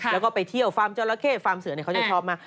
แล้วก็ไปเที่ยวฟาร์มจราเข้ฟาร์มเสือเขาจะชอบมาก